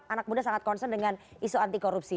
anak muda sangat concern dengan isu anti korupsi